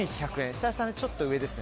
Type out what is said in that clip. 設楽さんよりちょっと上ですね。